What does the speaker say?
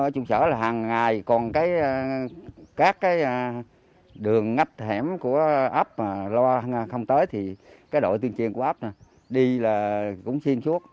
các đường ngắt hẻm của ấp mà loa không tới thì đội tuyên truyền của ấp đi là cũng xuyên suốt